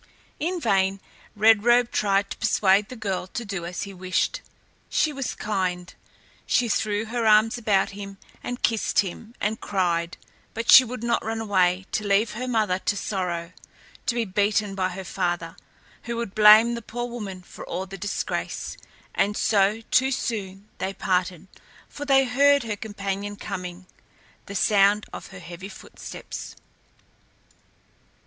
In vain Red Robe tried to persuade the girl to do as he wished. She was kind; she threw her arms about him and kissed him and cried, but she would not run away to leave her mother to sorrow, to be beaten by her father, who would blame the poor woman for all the disgrace; and so, too soon, they parted, for they heard her companion coming the sound of her heavy footsteps.